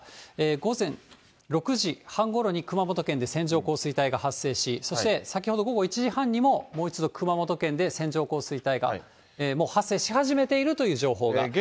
午前６時半ごろに、熊本県で線状降水帯が発生し、そして先ほど午後１時半にも、もう一度、熊本県で線状降水帯が、もう発生し始めているという情報が入っています。